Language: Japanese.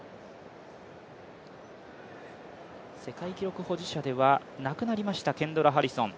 世界記録保持者ではなくなりましたケンドラ・ハリソン。